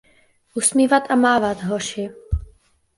Usmívat a mávat, hoši.